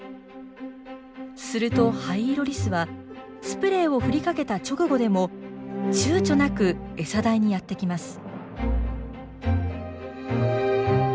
するとハイイロリスはスプレーを振りかけた直後でもちゅうちょなく台にやって来ます。